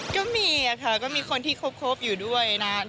ก็มีค่ะก็มีคนที่คบอยู่ด้วยนะ